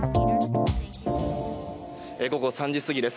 午後３時過ぎです